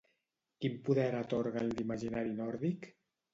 Quin poder atorga en l'imaginari nòrdic?